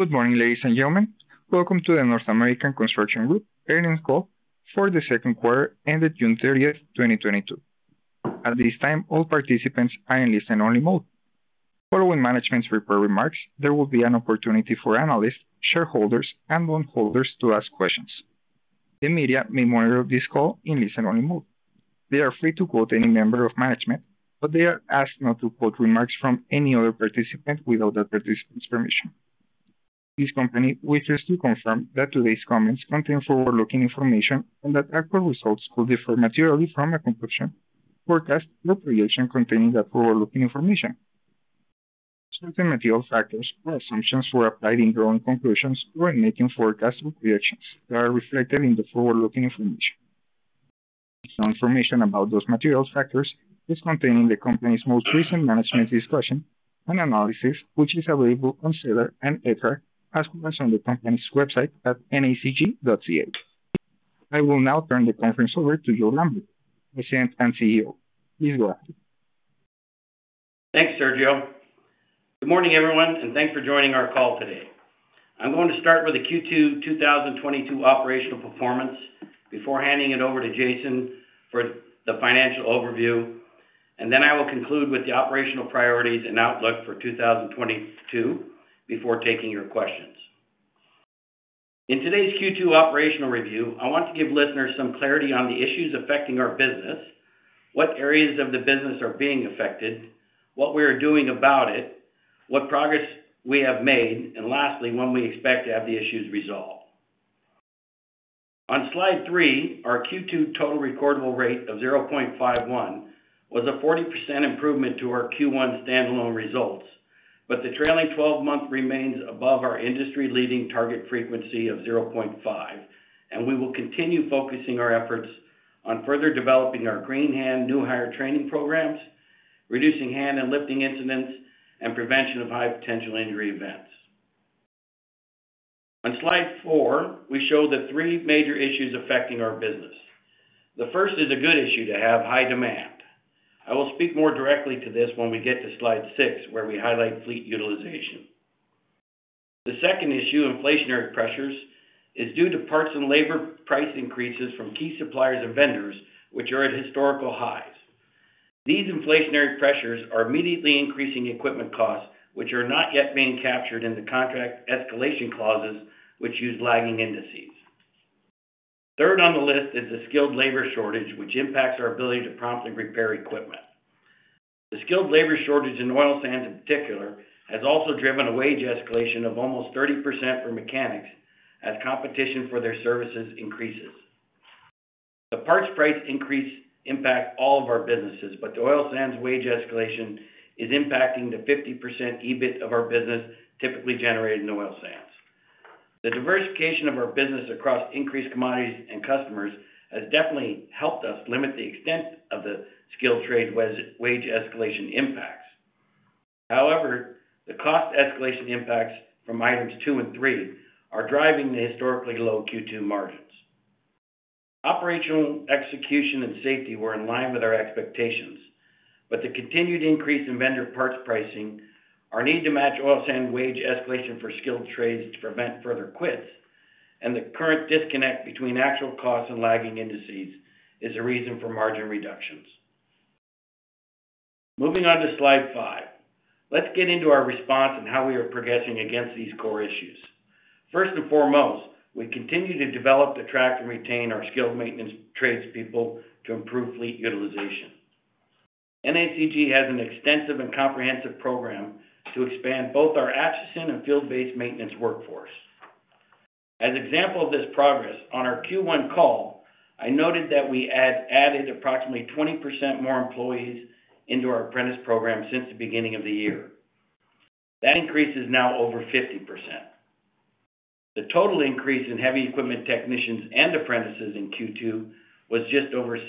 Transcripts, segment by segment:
Good morning, ladies and gentlemen. Welcome to the North American Construction Group earnings call for the second quarter ended June 30, 2022. At this time, all participants are in listen only mode. Following management's prepared remarks, there will be an opportunity for analysts, shareholders and loan holders to ask questions. The media may monitor this call in listen only mode. They are free to quote any member of management, but they are asked not to quote remarks from any other participant without the participant's permission. This company wishes to confirm that today's comments contain forward-looking information and that actual results could differ materially from a conclusion, forecast or prediction containing the forward-looking information. Certain material factors or assumptions were applied in drawing conclusions or in making forecasts or predictions that are reflected in the forward-looking information. Some information about those material factors is contained in the company's most recent management discussion and analysis, which is available on SEDAR and EDGAR as well as on the company's website at nacg.ca. I will now turn the conference over to Joe Lambert, President and CEO. Please go ahead. Thanks, Sergio. Good morning, everyone, and thanks for joining our call today. I'm going to start with the Q2 2022 operational performance before handing it over to Jason for the financial overview. I will conclude with the operational priorities and outlook for 2022 before taking your questions. In today's Q2 operational review, I want to give listeners some clarity on the issues affecting our business, what areas of the business are being affected, what we are doing about it, what progress we have made, and lastly, when we expect to have the issues resolved. On slide 3, our Q2 total recordable rate of 0.51 was a 40% improvement to our Q1 standalone results. The trailing twelve month remains above our industry leading target frequency of 0.5, and we will continue focusing our efforts on further developing our green hand new hire training programs, reducing hand and lifting incidents, and prevention of high potential injury events. On slide four, we show the three major issues affecting our business. The first is a good issue to have high demand. I will speak more directly to this when we get to slide six, where we highlight fleet utilization. The second issue, inflationary pressures, is due to parts and labor price increases from key suppliers and vendors which are at historical highs. These inflationary pressures are immediately increasing equipment costs, which are not yet being captured in the contract escalation clauses which use lagging indices. Third on the list is the skilled labor shortage, which impacts our ability to promptly repair equipment. The skilled labor shortage in oil sands in particular has also driven a wage escalation of almost 30% for mechanics as competition for their services increases. The parts price increase impacts all of our businesses, but the oil sands wage escalation is impacting the 50% EBIT of our business typically generated in oil sands. The diversification of our business across increased commodities and customers has definitely helped us limit the extent of the skilled trade wage escalation impacts. However, the cost escalation impacts from items two and three are driving the historically low Q2 margins. Operational execution and safety were in line with our expectations, but the continued increase in vendor parts pricing, our need to match oil sands wage escalation for skilled trades to prevent further quits, and the current disconnect between actual costs and lagging indices is a reason for margin reductions. Moving on to slide 5, let's get into our response and how we are progressing against these core issues. First and foremost, we continue to develop, attract, and retain our skilled maintenance trades people to improve fleet utilization. NACG has an extensive and comprehensive program to expand both our Acheson and field-based maintenance workforce. As example of this progress, on our Q1 call, I noted that we had added approximately 20% more employees into our apprentice program since the beginning of the year. That increase is now over 50%. The total increase in heavy equipment technicians and apprentices in Q2 was just over 6%.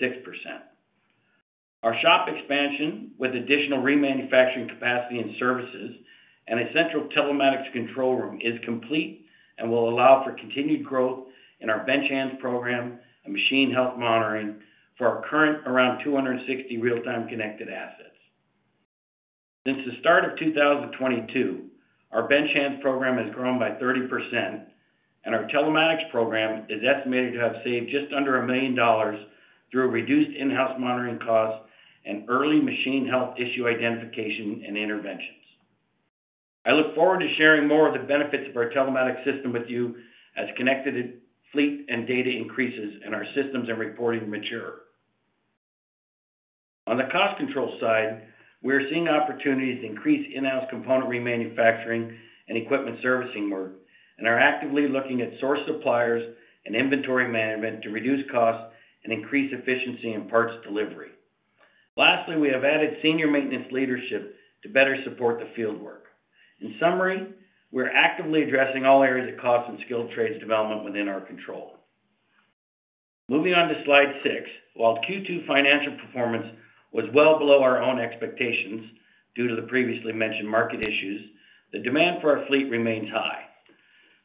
Our shop expansion with additional remanufacturing capacity and services and a central telematics control room is complete and will allow for continued growth in our bench hands program and machine health monitoring for our current around 260 real-time connected assets. Since the start of 2022, our bench hands program has grown by 30% and our telematics program is estimated to have saved just under 1 million dollars through reduced in-house monitoring costs and early machine health issue identification and interventions. I look forward to sharing more of the benefits of our telematics system with you as connected fleet and data increases and our systems and reporting mature. On the cost control side, we are seeing opportunities to increase in-house component remanufacturing and equipment servicing work and are actively looking at source suppliers and inventory management to reduce costs and increase efficiency in parts delivery. Lastly, we have added senior maintenance leadership to better support the field work. In summary, we're actively addressing all areas of cost and skilled trades development within our control. Moving on to slide 6. While Q2 financial performance was well below our own expectations due to the previously mentioned market issues, the demand for our fleet remains high.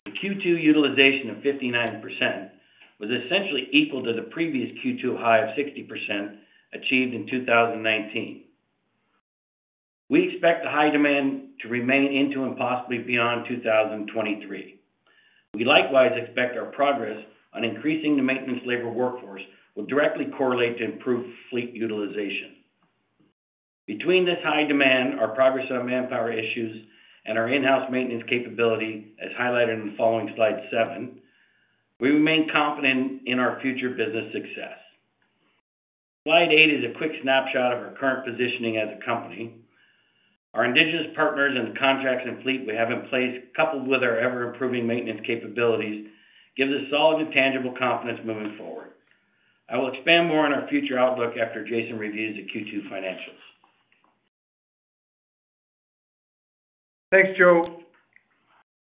The Q2 utilization of 59% was essentially equal to the previous Q2 high of 60% achieved in 2019. We expect the high demand to remain into and possibly beyond 2023. We likewise expect our progress on increasing the maintenance labor workforce will directly correlate to improved fleet utilization. Between this high demand, our progress on manpower issues, and our in-house maintenance capability, as highlighted in the following slide seven, we remain confident in our future business success. Slide eight is a quick snapshot of our current positioning as a company. Our indigenous partners and the contracts and fleet we have in place, coupled with our ever-improving maintenance capabilities, gives us solid and tangible confidence moving forward. I will expand more on our future outlook after Jason reviews the Q2 financials. Thanks, Joe.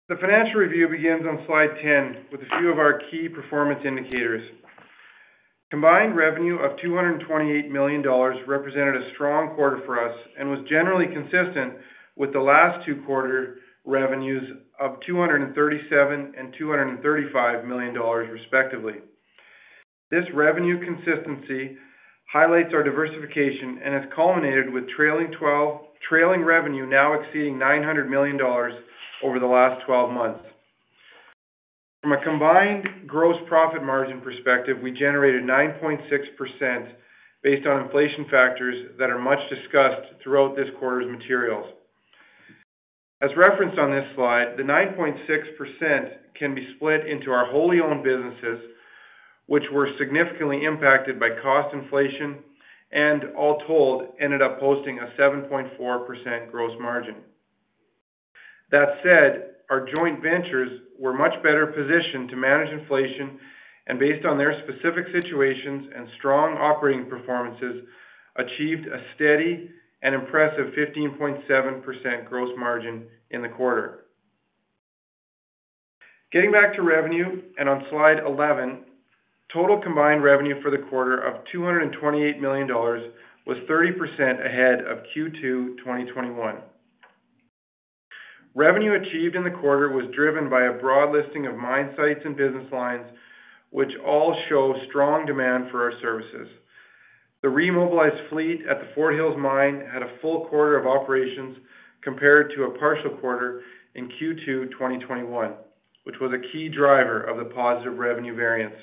The financial review begins on slide 10 with a few of our key performance indicators. Combined revenue of 228 million dollars represented a strong quarter for us and was generally consistent with the last two quarters revenues of 237 million and 235 million dollars, respectively. This revenue consistency highlights our diversification and has culminated with trailing revenue now exceeding 900 million dollars over the last twelve months. From a combined gross profit margin perspective, we generated 9.6% based on inflation factors that are much discussed throughout this quarter's materials. As referenced on this slide, the 9.6% can be split into our wholly owned businesses, which were significantly impacted by cost inflation, and all told, ended up posting a 7.4% gross margin. That said, our joint ventures were much better positioned to manage inflation and based on their specific situations and strong operating performances, achieved a steady and impressive 15.7% gross margin in the quarter. Getting back to revenue and on slide 11, total combined revenue for the quarter of 228 million dollars was 30% ahead of Q2 2021. Revenue achieved in the quarter was driven by a broad listing of mine sites and business lines, which all show strong demand for our services. The remobilized fleet at the Fort Hills Mine had a full quarter of operations compared to a partial quarter in Q2 2021, which was a key driver of the positive revenue variance.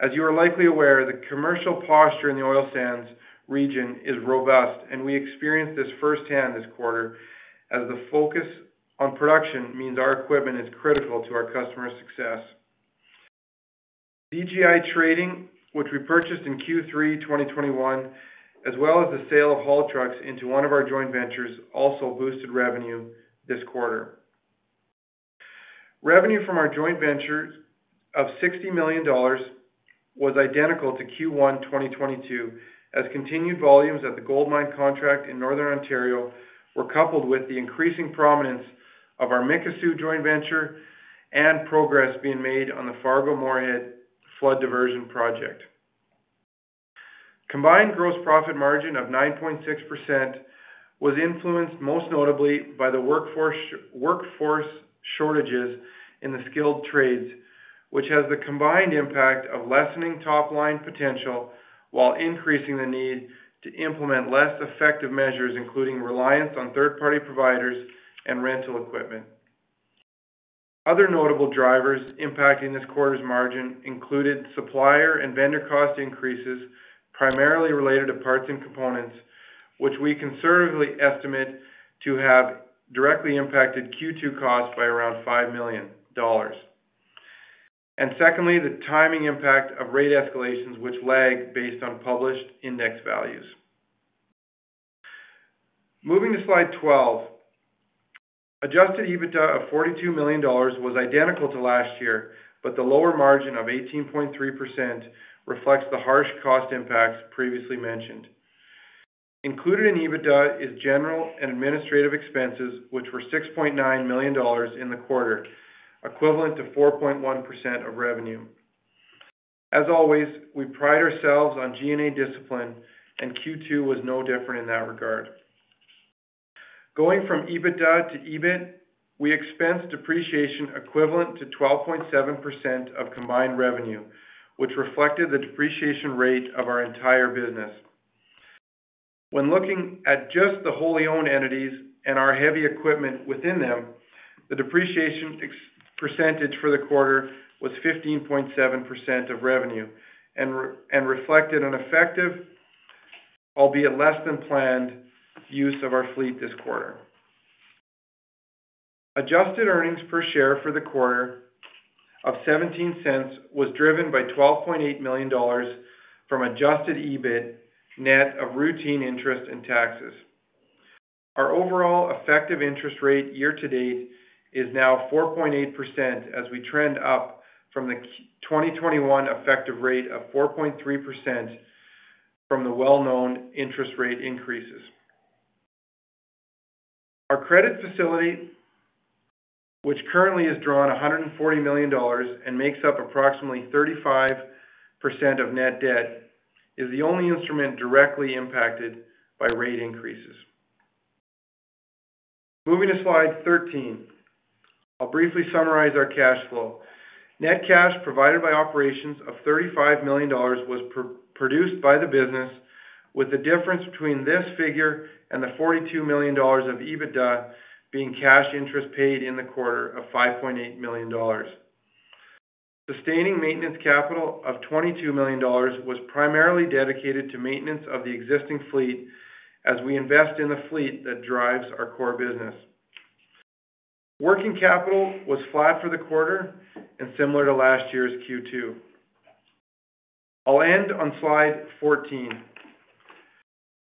As you are likely aware, the commercial posture in the oil sands region is robust, and we experienced this firsthand this quarter as the focus on production means our equipment is critical to our customers' success. DGI Trading, which we purchased in Q3 2021, as well as the sale of haul trucks into one of our joint ventures also boosted revenue this quarter. Revenue from our joint ventures of 60 million dollars was identical to Q1 2022, as continued volumes at the Gold Mine contract in Northern Ontario were coupled with the increasing prominence of our Mikisew joint venture and progress being made on the Fargo-Moorhead Area Diversion project. Combined gross profit margin of 9.6% was influenced most notably by the workforce shortages in the skilled trades, which has the combined impact of lessening top-line potential while increasing the need to implement less effective measures, including reliance on third-party providers and rental equipment. Other notable drivers impacting this quarter's margin included supplier and vendor cost increases primarily related to parts and components, which we conservatively estimate to have directly impacted Q2 costs by around 5 million dollars. Secondly, the timing impact of rate escalations which lag based on published index values. Moving to slide 12. Adjusted EBITDA of 42 million dollars was identical to last year, but the lower margin of 18.3% reflects the harsh cost impacts previously mentioned. Included in EBITDA is general and administrative expenses, which were 6.9 million dollars in the quarter, equivalent to 4.1% of revenue. As always, we pride ourselves on G&A discipline, and Q2 was no different in that regard. Going from EBITDA to EBIT, we expensed depreciation equivalent to 12.7% of combined revenue, which reflected the depreciation rate of our entire business. When looking at just the wholly owned entities and our heavy equipment within them, the depreciation percentage for the quarter was 15.7% of revenue and reflected an effective, albeit less than planned, use of our fleet this quarter. Adjusted earnings per share for the quarter of 0.17 was driven by 12.8 million dollars from adjusted EBIT net of routine interest and taxes. Our overall effective interest rate year to date is now 4.8% as we trend up from the 2021 effective rate of 4.3% from the well-known interest rate increases. Our credit facility, which currently has drawn 140 million dollars and makes up approximately 35% of net debt, is the only instrument directly impacted by rate increases. Moving to slide 13. I'll briefly summarize our cash flow. Net cash provided by operations of 35 million dollars was produced by the business, with the difference between this figure and the 42 million dollars of EBITDA being cash interest paid in the quarter of 5.8 million dollars. Sustaining maintenance capital of 22 million dollars was primarily dedicated to maintenance of the existing fleet as we invest in the fleet that drives our core business. Working capital was flat for the quarter and similar to last year's Q2. I'll end on slide 14.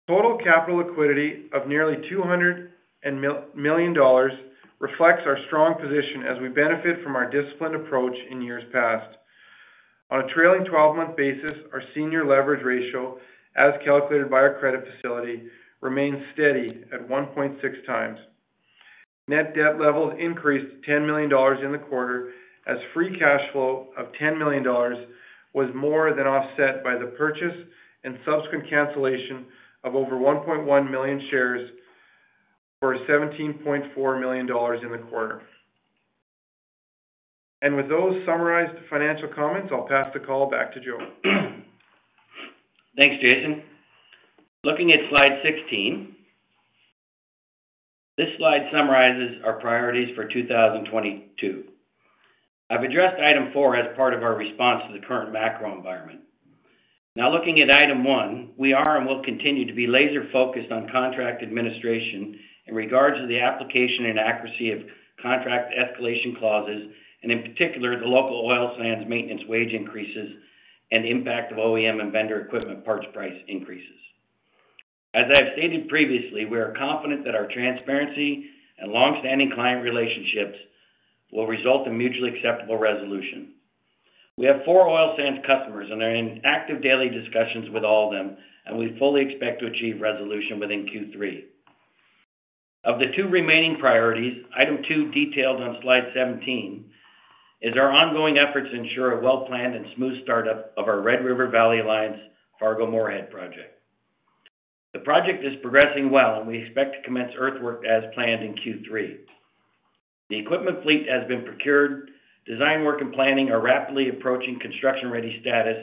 Total capital liquidity of nearly 200 million dollars reflects our strong position as we benefit from our disciplined approach in years past. On a trailing twelve-month basis, our senior leverage ratio, as calculated by our credit facility, remains steady at 1.6 times. Net debt levels increased 10 million dollars in the quarter as free cash flow of 10 million dollars was more than offset by the purchase and subsequent cancellation of over 1.1 million shares for 17.4 million dollars in the quarter. With those summarized financial comments, I'll pass the call back to Joe. Thanks, Jason. Looking at slide 16. This slide summarizes our priorities for 2022. I've addressed item 4 as part of our response to the current macro environment. Now, looking at item 1, we are and will continue to be laser focused on contract administration in regards to the application and accuracy of contract escalation clauses, and in particular, the local oil sands maintenance wage increases and the impact of OEM and vendor equipment parts price increases. As I've stated previously, we are confident that our transparency and long-standing client relationships will result in mutually acceptable resolution. We have 4 oil sands customers, and we're in active daily discussions with all of them, and we fully expect to achieve resolution within Q3. Of the 2 remaining priorities, item two, detailed on slide 17, is our ongoing efforts to ensure a well-planned and smooth startup of our Red River Valley Alliance Fargo Moorhead project. The project is progressing well, and we expect to commence earthwork as planned in Q3. The equipment fleet has been procured, design work and planning are rapidly approaching construction ready status,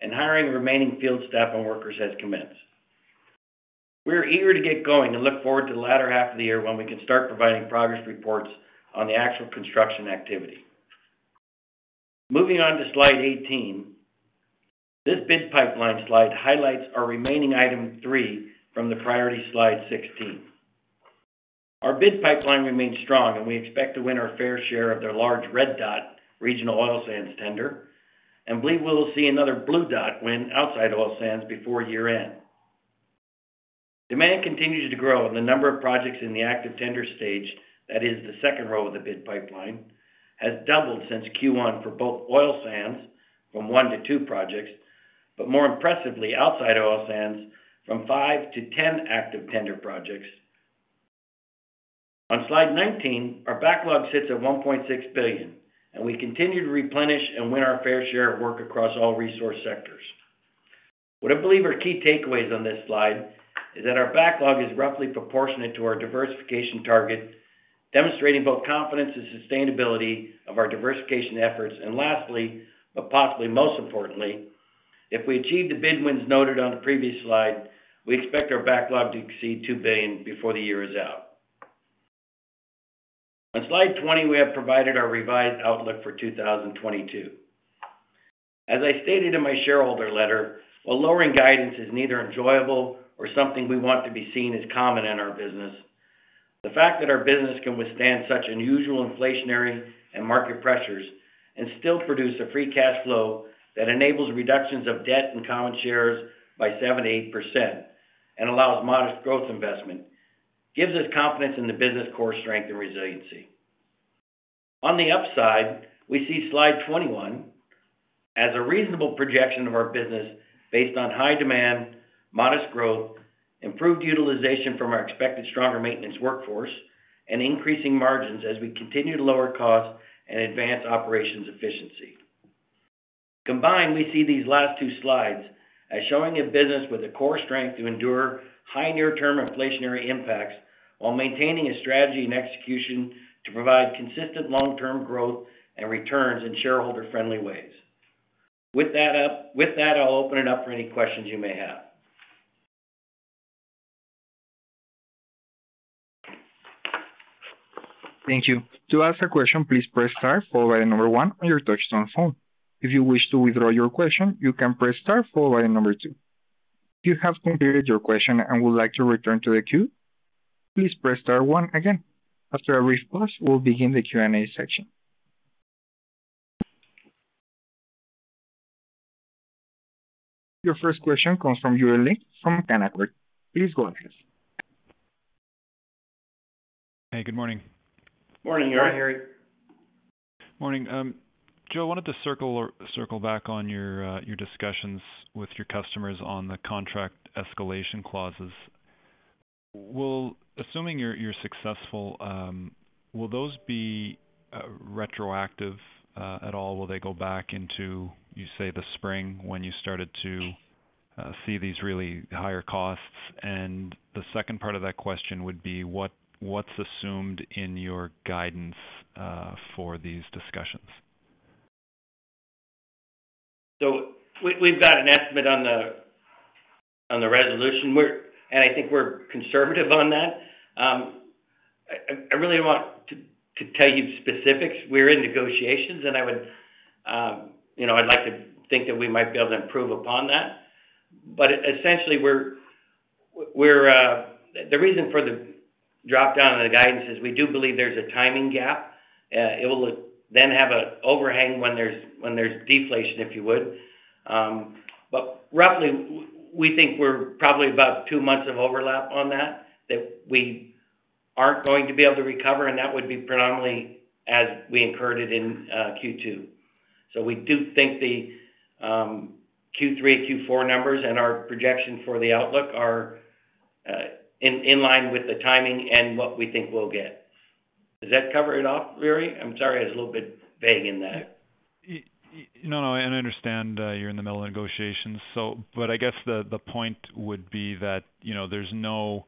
and hiring remaining field staff and workers has commenced. We are eager to get going and look forward to the latter half of the year when we can start providing progress reports on the actual construction activity. Moving on to slide 18. This bid pipeline slide highlights our remaining item three from the priority slide 16. Our bid pipeline remains strong, and we expect to win our fair share of their large red dot regional oil sands tender, and believe we'll see another blue dot win outside oil sands before year-end. Demand continues to grow, and the number of projects in the active tender stage, that is the second row of the bid pipeline, has doubled since Q1 for both oil sands from 1 to 2 projects, but more impressively, outside oil sands from 5 to 10 active tender projects. On slide 19, our backlog sits at 1.6 billion, and we continue to replenish and win our fair share of work across all resource sectors. What I believe are key takeaways on this slide is that our backlog is roughly proportionate to our diversification target, demonstrating both confidence and sustainability of our diversification efforts. Lastly, but possibly most importantly, if we achieve the bid wins noted on the previous slide, we expect our backlog to exceed 2 billion before the year is out. On slide 20, we have provided our revised outlook for 2022. As I stated in my shareholder letter, while lowering guidance is neither enjoyable or something we want to be seen as common in our business, the fact that our business can withstand such unusual inflationary and market pressures and still produce a free cash flow that enables reductions of debt and common shares by 78% and allows modest growth investment, gives us confidence in the business core strength and resiliency. On the upside, we see slide 21 as a reasonable projection of our business based on high demand, modest growth, improved utilization from our expected stronger maintenance workforce, and increasing margins as we continue to lower costs and advance operations efficiency. Combined, we see these last two slides as showing a business with a core strength to endure high near-term inflationary impacts while maintaining a strategy and execution to provide consistent long-term growth and returns in shareholder-friendly ways. With that, I'll open it up for any questions you may have. Thank you. To ask a question, please press star followed by the number 1 on your touch-tone phone. If you wish to withdraw your question, you can press star followed by number 2. If you have completed your question and would like to return to the queue, please press star 1 again. After a brief pause, we'll begin the Q&A session. Your first question comes from Yuri Lynk from Canaccord Genuity. Please go ahead. Hey, good morning. Morning, Yuri. Hi, Yuri Lynk. Morning. Joe, I wanted to circle back on your discussions with your customers on the contract escalation clauses. Assuming you're successful, will those be retroactive at all? Will they go back into, you say, the spring when you started to see these really higher costs? The second part of that question would be, what's assumed in your guidance for these discussions? We've got an estimate on the resolution. I think we're conservative on that. I really want to tell you specifics. We're in negotiations, and I would, you know, I'd like to think that we might be able to improve upon that. Essentially, the reason for the drop-down in the guidance is we do believe there's a timing gap. It will then have an overhang when there's deflation, if you would. Roughly, we think we're probably about two months of overlap on that we aren't going to be able to recover, and that would be predominantly as we incurred it in Q2. We do think the Q3, Q4 numbers and our projection for the outlook are in line with the timing and what we think we'll get. Does that cover it all, Yuri? I'm sorry, I was a little bit vague in that. You know, I understand you're in the middle of negotiations. But I guess the point would be that, you know, there's no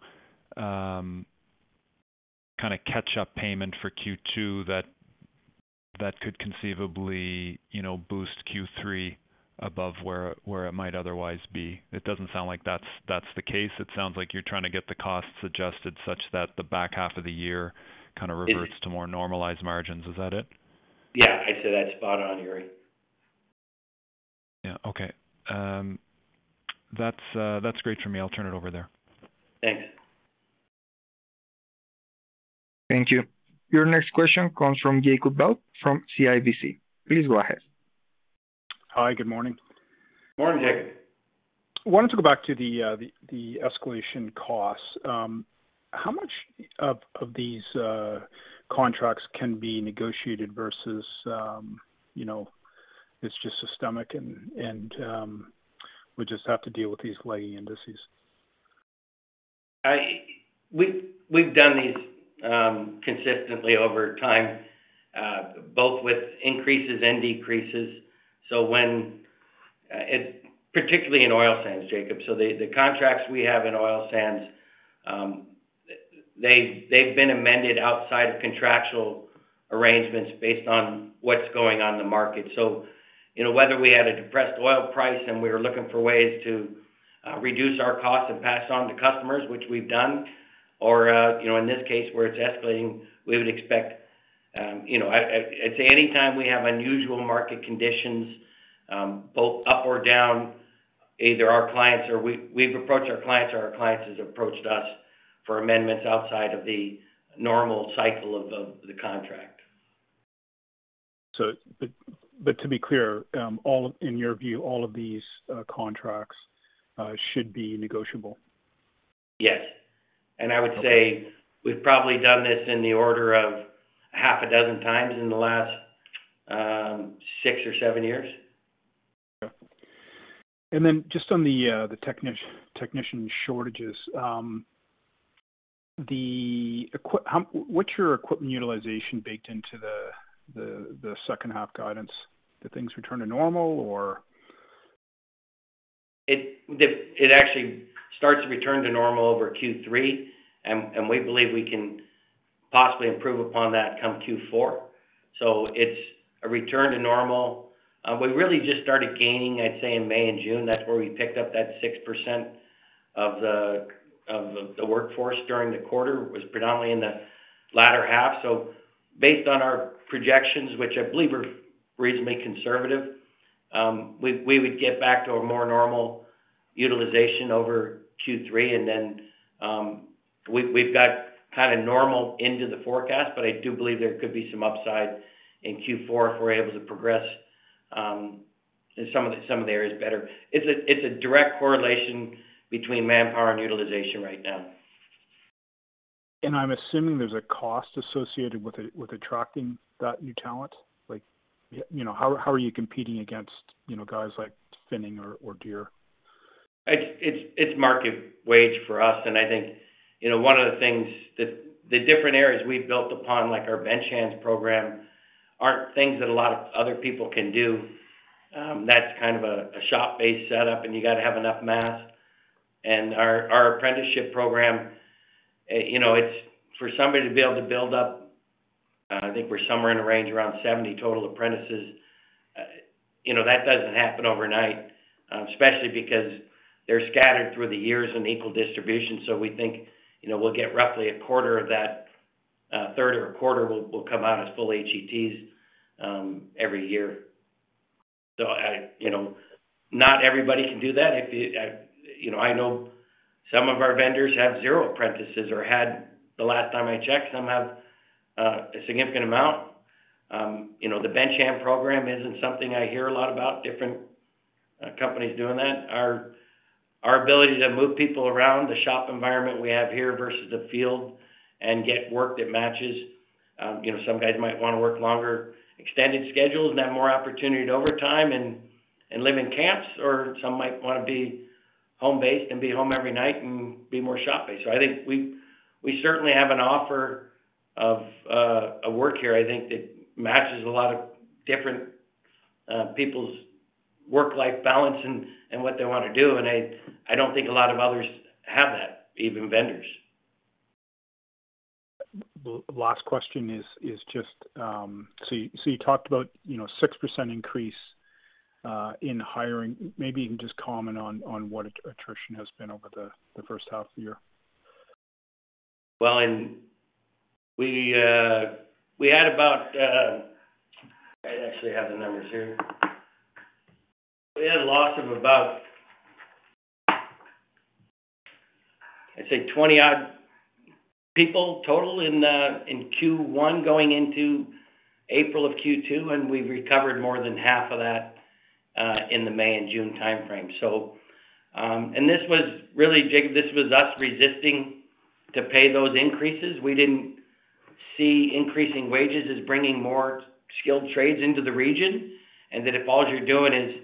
kind of catch-up payment for Q2 that could conceivably, you know, boost Q3 above where it might otherwise be. It doesn't sound like that's the case. It sounds like you're trying to get the costs adjusted such that the back half of the year kind of reverts. It- to more normalized margins. Is that it? Yeah. I'd say that's spot on, Yuri. Yeah. Okay. That's great for me. I'll turn it over there. Thanks. Thank you. Your next question comes from Jacob Bout from CIBC. Please go ahead. Hi. Good morning. Morning, Jacob. I wanted to go back to the escalation costs. How much of these contracts can be negotiated versus, you know, it's just systemic and we just have to deal with these lagging indices? We've done these consistently over time, both with increases and decreases. Particularly in oil sands, Jacob. The contracts we have in oil sands, they've been amended outside of contractual arrangements based on what's going on in the market. You know, whether we had a depressed oil price and we were looking for ways to reduce our costs and pass on to customers, which we've done, or, you know, in this case where it's escalating, we would expect. I'd say any time we have unusual market conditions, both up or down, either our clients or we've approached our clients or our clients has approached us for amendments outside of the normal cycle of the contract. To be clear, in your view, all of these contracts should be negotiable? Yes. Okay. I would say we've probably done this in the order of half a dozen times in the last six or seven years. Okay. Just on the technician shortages. What's your equipment utilization baked into the second half guidance? Do things return to normal or? It actually starts to return to normal over Q3, and we believe we can possibly improve upon that come Q4. It's a return to normal. We really just started gaining, I'd say, in May and June. That's where we picked up that 6% of the workforce during the quarter. It was predominantly in the latter half. Based on our projections, which I believe are reasonably conservative, we would get back to a more normal utilization over Q3. We've got kind of normal into the forecast, but I do believe there could be some upside in Q4 if we're able to progress in some of the areas better. It's a direct correlation between manpower and utilization right now. I'm assuming there's a cost associated with attracting that new talent. Like, you know, how are you competing against, you know, guys like Finning or Deere? It's market wage for us. I think, you know, one of the things, the different areas we've built upon, like our bench hands program, aren't things that a lot of other people can do. That's kind of a shop-based setup, and you gotta have enough mass. Our apprenticeship program, you know, it's for somebody to be able to build up. I think we're somewhere in a range around 70 total apprentices. You know, that doesn't happen overnight, especially because they're scattered through the years in equal distribution. We think, you know, we'll get roughly a quarter of that, a third or a quarter will come out as full HETs every year. I you know, not everybody can do that. You know, I know some of our vendors have zero apprentices or had the last time I checked. Some have a significant amount. You know, the bench hand program isn't something I hear a lot about different companies doing that. Our ability to move people around the shop environment we have here versus the field and get work that matches, you know, some guys might wanna work longer extended schedules and have more opportunity to overtime and live in camps or some might wanna be home-based and be home every night and be more shop-based. I think we certainly have an offer of a work here, I think that matches a lot of different people's work-life balance and what they wanna do. I don't think a lot of others have that, even vendors. Last question is just you talked about, you know, 6% increase in hiring. Maybe you can just comment on what attrition has been over the first half of the year. Well, we had about. I actually have the numbers here. We had a loss of about, I'd say 20-odd people total in Q1 going into April of Q2, and we've recovered more than half of that in the May and June timeframe. This was really big. This was us resisting to pay those increases. We didn't see increasing wages as bringing more skilled trades into the region, that if all you're doing is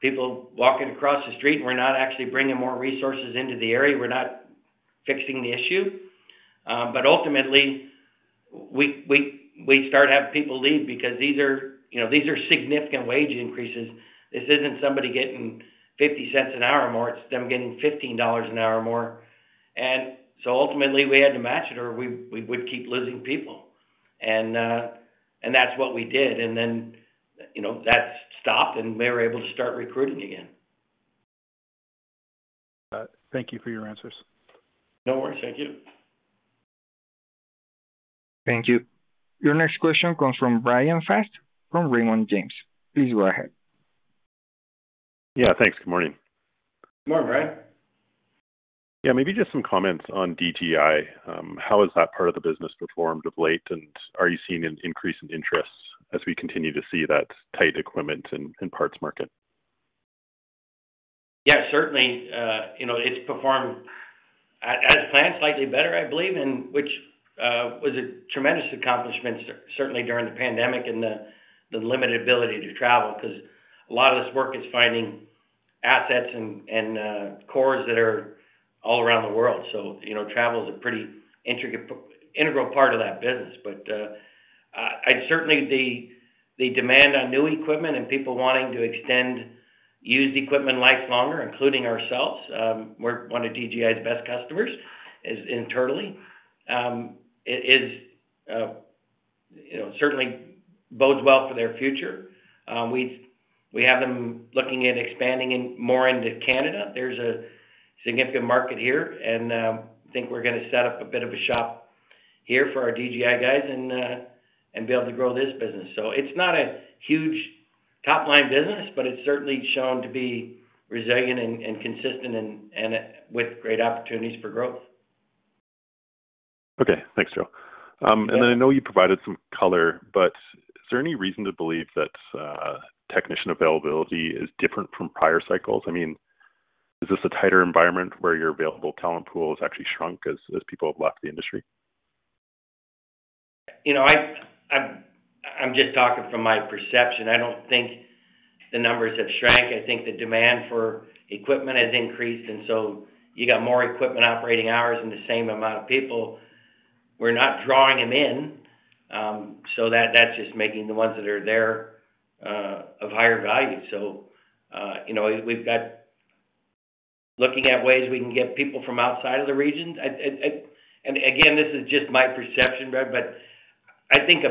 people walking across the street, we're not actually bringing more resources into the area, we're not fixing the issue. But ultimately we start having people leave because these are, you know, these are significant wage increases. This isn't somebody getting 0.50 an hour more, it's them getting 15 dollars an hour more. Ultimately we had to match it or we would keep losing people. That's what we did. You know, that stopped and we were able to start recruiting again. Thank you for your answers. No worries. Thank you. Thank you. Your next question comes from Brian MacArthur from Raymond James. Please go ahead. Yeah. Thanks. Good morning. Good morning, Brian. Yeah. Maybe just some comments on DGI. How has that part of the business performed of late? Are you seeing an increase in interest as we continue to see that tight equipment and parts market? Yeah, certainly. You know, it's performed as planned, slightly better, I believe, which was a tremendous accomplishment certainly during the pandemic and the limited ability to travel. 'Cause a lot of this work is finding assets and cores that are all around the world. You know, travel is a pretty integral part of that business. I'd say the demand on new equipment and people wanting to extend used equipment life longer, including ourselves, we're one of DGI's best customers internally, you know, certainly bodes well for their future. We have them looking at expanding more into Canada. There's a significant market here, and I think we're gonna set up a bit of a shop here for our DGI guys and be able to grow this business. It's not a huge top-line business, but it's certainly shown to be resilient and consistent and with great opportunities for growth. Okay. Thanks, Joe. I know you provided some color, but is there any reason to believe that technician availability is different from prior cycles? I mean, is this a tighter environment where your available talent pool has actually shrunk as people have left the industry? You know, I'm just talking from my perception. I don't think the numbers have shrank. I think the demand for equipment has increased, and so you got more equipment operating hours and the same amount of people. We're not drawing them in, so that's just making the ones that are there of higher value. You know, we've got looking at ways we can get people from outside of the region. Again, this is just my perception, Brian, but I think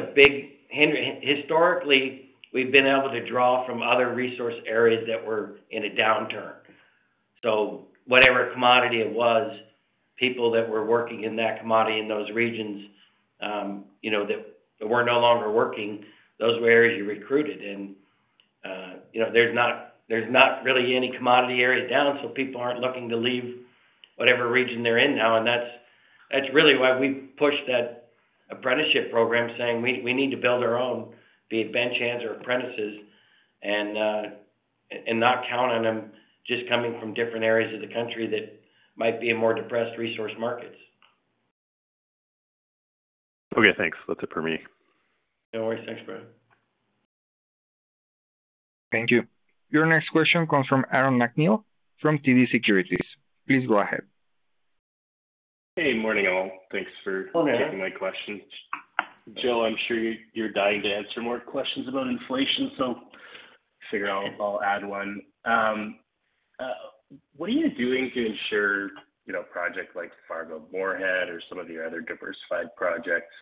historically we've been able to draw from other resource areas that were in a downturn. Whatever commodity it was, people that were working in that commodity in those regions, you know, that were no longer working, those were areas you recruited. You know, there's not really any commodity area down, so people aren't looking to leave whatever region they're in now. That's really why we pushed that apprenticeship program saying, "We need to build our own, be it bench hands or apprentices, and not count on them just coming from different areas of the country that might be in more depressed resource markets. Okay, thanks. That's it for me. No worries. Thanks, Brian. Thank you. Your next question comes fromAaron Macneil from TD Securities. Please go ahead. Hey. Morning all. Thanks for- Hello. Taking my questions. Joe, I'm sure you're dying to answer more questions about inflation, so figure I'll add one. What are you doing to ensure, you know, projects like Fargo Moorhead or some of your other diversified projects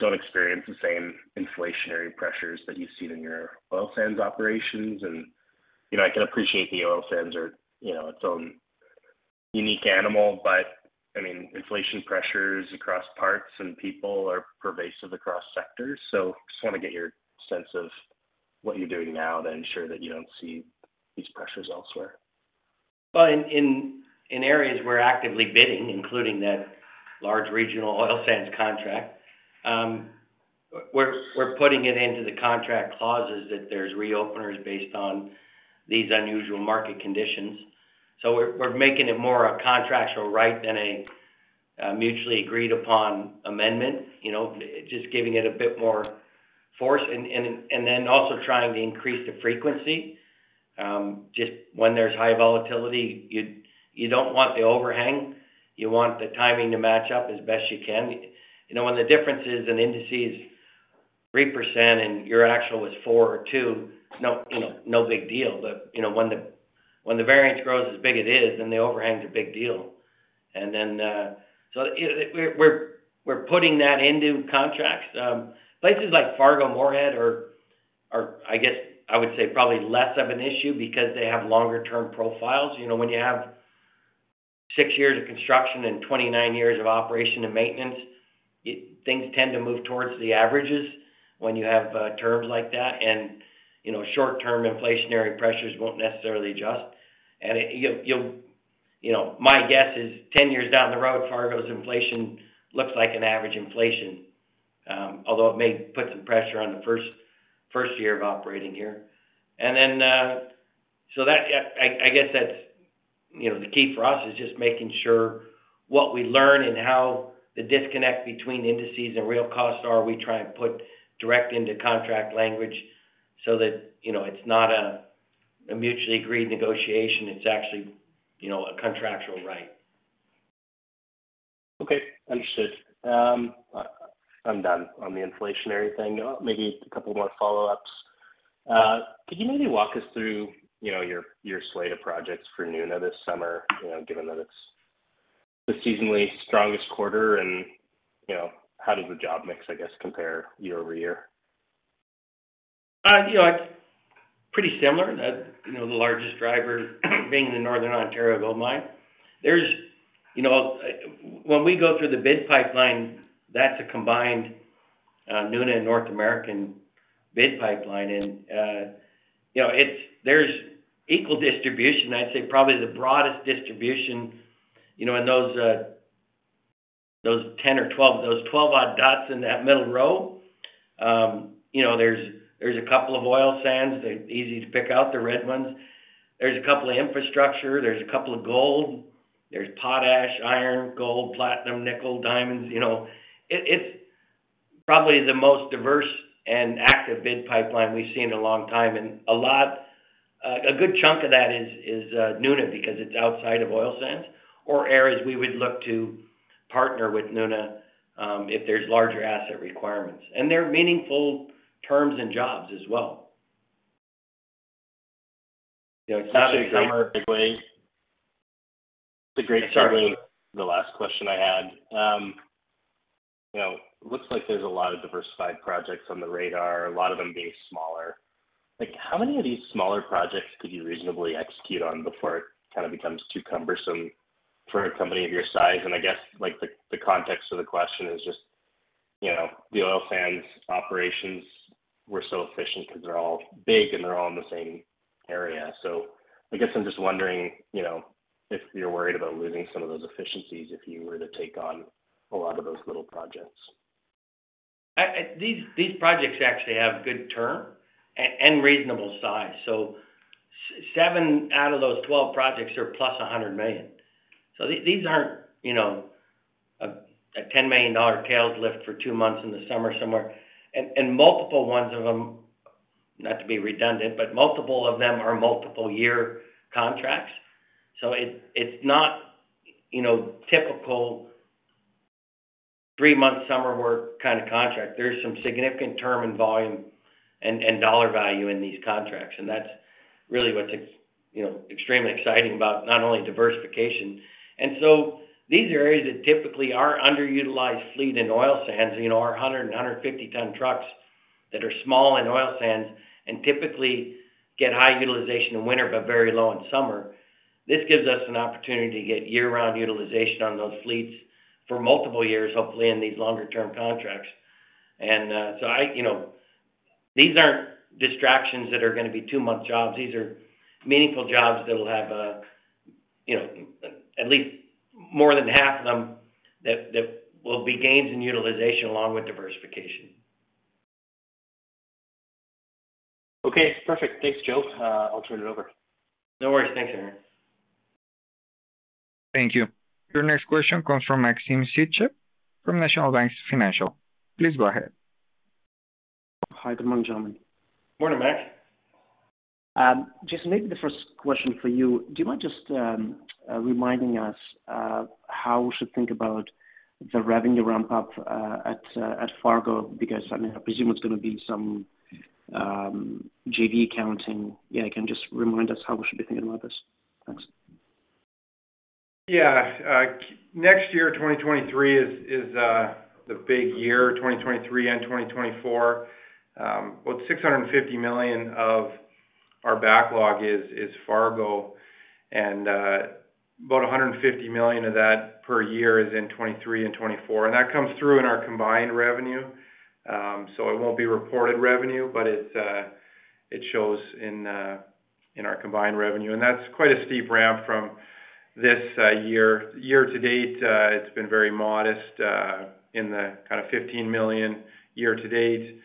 don't experience the same inflationary pressures that you've seen in your oil sands operations? You know, I can appreciate the oil sands are, you know, it's own unique animal, but I mean, inflation pressures across parts and people are pervasive across sectors. Just wanna get your sense of what you're doing now to ensure that you don't see these pressures elsewhere. Well, in areas we're actively bidding, including that large regional oil sands contract, we're putting it into the contract clauses that there's reopeners based on these unusual market conditions. We're making it more a contractual right than a mutually agreed upon amendment, you know, just giving it a bit more force and then also trying to increase the frequency. Just when there's high volatility, you don't want the overhang. You want the timing to match up as best you can. You know, when the difference is in indices 3% and your actual was 4 or 2, it's no big deal. You know, when the variance grows as big it is, then the overhang is a big deal. We're putting that into contracts. Places like Fargo Moorhead are, I guess I would say, probably less of an issue because they have longer term profiles. You know, when you have 6 years of construction and 29 years of operation and maintenance, things tend to move towards the averages when you have terms like that. You know, short term inflationary pressures won't necessarily adjust. You'll You know, my guess is 10 years down the road, Fargo's inflation looks like an average inflation, although it may put some pressure on the first year of operating here. Then, that, I guess that's, you know, the key for us is just making sure what we learn and how the disconnect between indices and real costs are, we try and put directly into contract language so that, you know, it's not a mutually agreed negotiation. It's actually, you know, a contractual right. Okay. Understood. I'm done on the inflationary thing. Maybe a couple more follow-ups. Could you maybe walk us through, you know, your slate of projects for Nuna this summer, you know, given that it's the seasonally strongest quarter? You know, how does the job mix, I guess, compare year-over-year? You know, it's pretty similar. You know, the largest driver being the Northern Ontario gold mine. You know, when we go through the bid pipeline, that's a combined Nuna and North American bid pipeline. You know, it's. There's equal distribution. I'd say probably the broadest distribution, you know, in those 10 or 12-odd dots in that middle row. You know, there's a couple of oil sands. They're easy to pick out, the red ones. There's a couple of infrastructure. There's a couple of gold. There's potash, iron, gold, platinum, nickel, diamonds. You know, it's probably the most diverse and active bid pipeline we've seen in a long time. A lot, a good chunk of that is Nuna because it's outside of oil sands or areas we would look to partner with Nuna if there's larger asset requirements. They're meaningful terms and jobs as well. You know, it's not a- Sorry to interrupt quickly. It's a great segue to the last question I had. You know, looks like there's a lot of diversified projects on the radar, a lot of them being smaller. Like, how many of these smaller projects could you reasonably execute on before it kind of becomes too cumbersome for a company of your size? I guess, like, the context of the question is just, you know, the oil sands operations were so efficient because they're all big, and they're all in the same area. I guess I'm just wondering, you know, if you're worried about losing some of those efficiencies if you were to take on a lot of those little projects. These projects actually have good terms and reasonable size. 7 out of those 12 projects are plus 100 million. These aren't, you know, a 10 million dollar tailings lift for two months in the summer somewhere. Multiple ones of them, not to be redundant, but multiple of them are multiple year contracts. It's not, you know, typical 3-month summer work kind of contract. There's some significant term and volume and dollar value in these contracts, and that's really what's extremely exciting about not only diversification. These are areas that typically are underutilized fleet in oil sands. You know, our 100- and 150-ton trucks that are small in oil sands and typically get high utilization in winter, but very low in summer. This gives us an opportunity to get year-round utilization on those fleets for multiple years, hopefully in these longer term contracts. You know, these aren't distractions that are gonna be two-month jobs. These are meaningful jobs that'll have, you know, at least more than half of them that will be gains in utilization along with diversification. Okay. Perfect. Thanks, Joe. I'll turn it over. No worries. Thanks, Aaron. Thank you. Your next question comes from Maxim Sytchev from National Bank Financial. Please go ahead. Hi. Good morning, gentlemen. Morning, Max. Jason, maybe the first question for you. Do you mind just reminding us how we should think about the revenue ramp up at Fargo? Because, I mean, I presume it's gonna be some JV accounting. Yeah, can you just remind us how we should be thinking about this? Thanks. Yeah. Next year, 2023 is the big year. 2023 and 2024. About 650 million of our backlog is Fargo, and about 150 million of that per year is in 2023 and 2024. That comes through in our combined revenue. It won't be reported revenue, but it shows in our combined revenue. That's quite a steep ramp from this year. Year to date, it's been very modest in the kind of 15 million year to date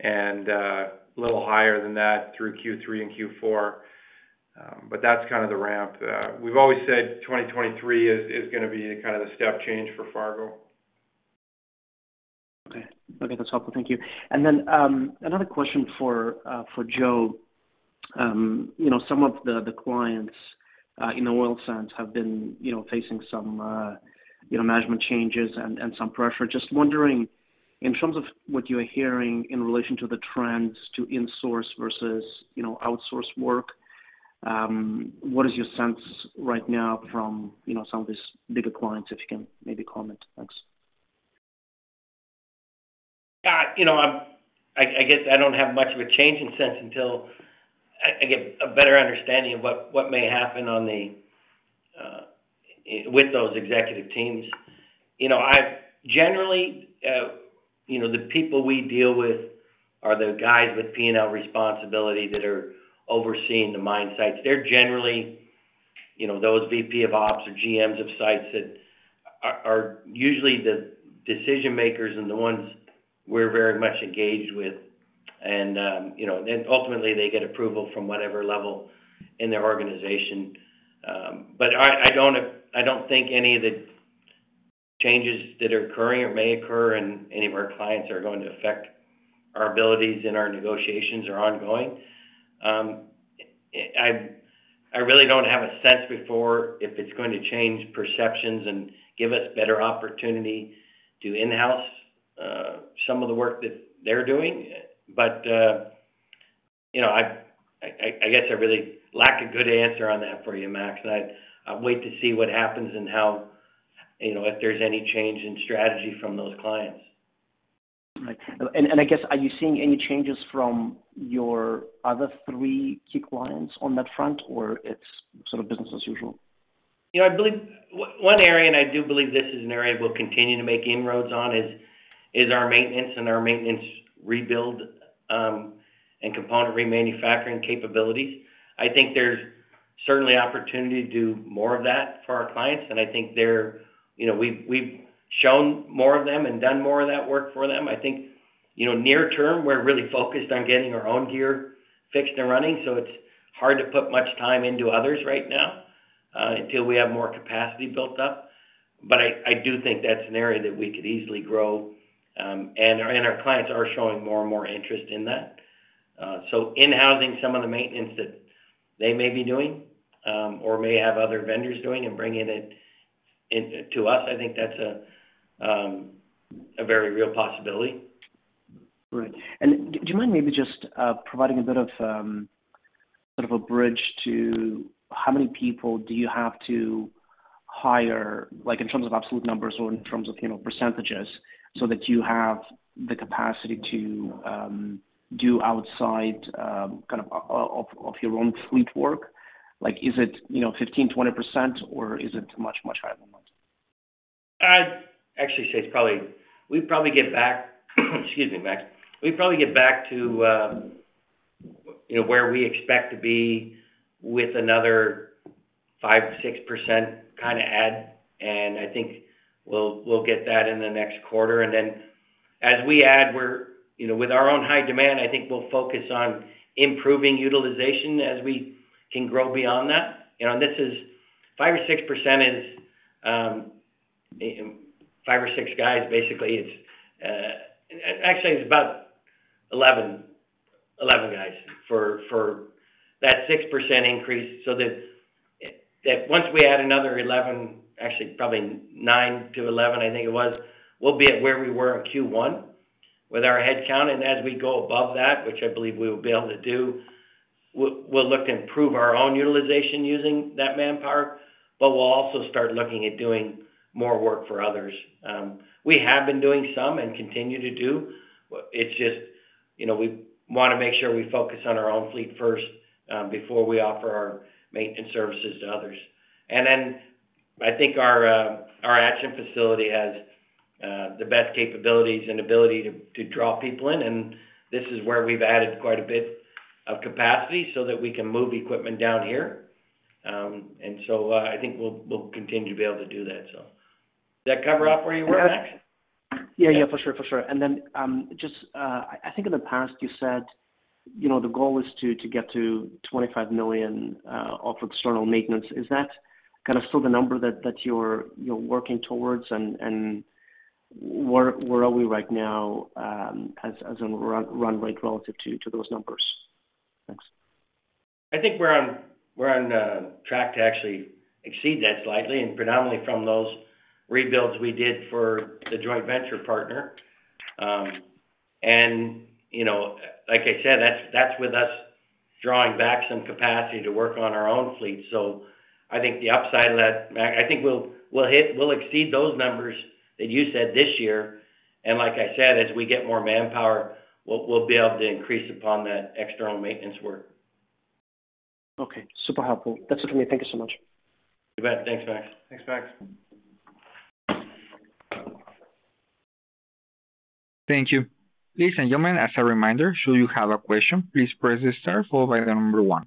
and a little higher than that through Q3 and Q4. That's kind of the ramp. We've always said 2023 is gonna be kind of the step change for Fargo. Okay. Okay, that's helpful. Thank you. Then, another question for Joe. You know, some of the clients in the oil sands have been you know, facing some you know, management changes and some pressure. Just wondering, in terms of what you're hearing in relation to the trends to insource versus, you know, outsource work, what is your sense right now from, you know, some of these bigger clients, if you can maybe comment? Thanks. I guess I don't have much of a changing sense until I get a better understanding of what may happen with those executive teams. You know, I've generally the people we deal with are the guys with P&L responsibility that are overseeing the mine sites. They're generally, you know, those VP of Ops or GMs of sites that are usually the decision makers and the ones we're very much engaged with. Ultimately they get approval from whatever level in their organization. I don't think any of the changes that are occurring or may occur in any of our clients are going to affect our abilities and our negotiations are ongoing. I really don't have a sense before if it's going to change perceptions and give us better opportunity to in-house some of the work that they're doing. You know, I guess I really lack a good answer on that for you, Max. I wait to see what happens and how, you know, if there's any change in strategy from those clients. Right. I guess are you seeing any changes from your other three key clients on that front, or it's sort of business as usual? You know, I believe one area, and I do believe this is an area we'll continue to make inroads on, is our maintenance and our maintenance rebuild, and component remanufacturing capabilities. I think there's certainly opportunity to do more of that for our clients, and I think they're, you know, we've shown more of them and done more of that work for them. I think, you know, near term, we're really focused on getting our own gear fixed and running, so it's hard to put much time into others right now, until we have more capacity built up. I do think that's an area that we could easily grow. Our clients are showing more and more interest in that. In-housing some of the maintenance that they may be doing, or may have other vendors doing and bringing it in to us, I think that's a very real possibility. Right. Do you mind maybe just providing a bit of sort of a bridge to how many people do you have to hire, like, in terms of absolute numbers or in terms of, you know, percentages, so that you have the capacity to do outside kind of your own fleet work? Like, is it, you know, 15%-20%, or is it much higher than that? Actually, Max, excuse me, Max. We'd probably get back to, you know, where we expect to be with another 5-6% kind of add, and I think we'll get that in the next quarter. Then as we add, we're, you know, with our own high demand, I think we'll focus on improving utilization as we can grow beyond that. You know, this 5 or 6% is 5 or 6 guys, basically. It's actually about 11 guys for that 6% increase. That once we add another 11, actually probably 9-11, I think it was, we'll be at where we were in Q1 with our head count. As we go above that, which I believe we will be able to do, we'll look to improve our own utilization using that manpower, but we'll also start looking at doing more work for others. We have been doing some and continue to do. It's just, you know, we wanna make sure we focus on our own fleet first, before we offer our maintenance services to others. Then I think our Acheson facility has the best capabilities and ability to draw people in, and this is where we've added quite a bit of capacity so that we can move equipment down here. I think we'll continue to be able to do that. Does that cover all where you were, Max? Yeah, for sure. Just, I think in the past you said, you know, the goal is to get to 25 million off external maintenance. Is that kind of still the number that you're working towards? Where are we right now as in run rate relative to those numbers? Thanks. I think we're on track to actually exceed that slightly and predominantly from those rebuilds we did for the joint venture partner. You know, like I said, that's with us drawing back some capacity to work on our own fleet. I think the upside of that, Max, I think we'll exceed those numbers that you said this year. Like I said, as we get more manpower, we'll be able to increase upon that external maintenance work. Okay. Super helpful. That's it for me. Thank you so much. You bet. Thanks, Max. Thanks, Max. Thank you. Ladies and gentlemen, as a reminder, should you have a question, please press star followed by the number one.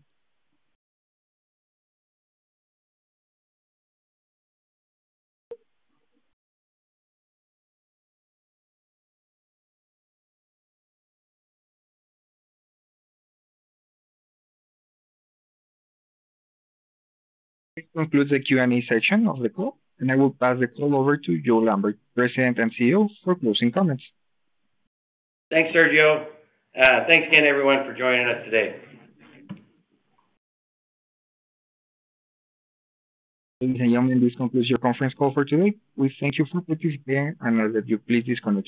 This concludes the Q&A session of the call, and I will pass the call over to Joe Lambert, President and CEO, for closing comments. Thanks, Sergio. Thanks again everyone for joining us today. Ladies and gentlemen, this concludes your conference call for today. We thank you for participating and ask that you please disconnect your-